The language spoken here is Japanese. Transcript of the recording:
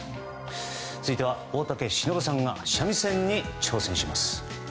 続いては大竹しのぶさんが三味線に挑戦します。